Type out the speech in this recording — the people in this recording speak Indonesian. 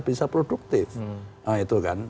bisa produktif nah itu kan